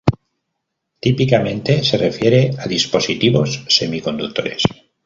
Típicamente se refiere a dispositivos semiconductores.